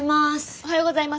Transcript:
おはようございます。